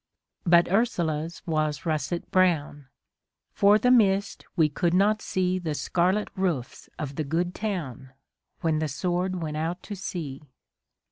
But Ursula's was russet brown : For the mist we could not see The scarlet roofs of the good town, When the Sword went out to sea.